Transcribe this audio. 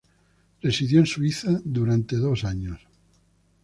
Residió en Suiza durante dos años.